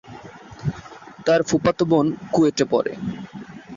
তার ফুফাতো বোন কুয়েটে পড়ে।